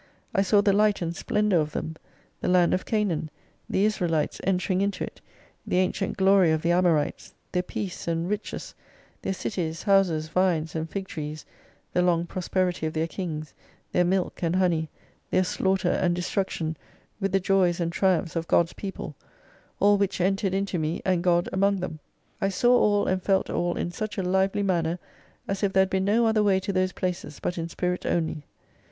I saw the light and splendour of them : the land of Canaan, the Israelites entering into it, the ancient glory of the Amorites, their peace and riches, their cities, houses, vines and fig trees, the long prosperity of their kings, their milk and honey, their slaughter and destruction, with the joys and triumphs of God's people ; all which entered into me, and God among them. I saw all and felt all in such a lively manner, as ii there had been no other way to those places, but in spirit only.